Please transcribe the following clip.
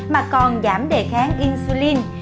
mà còn giảm đề kháng insulin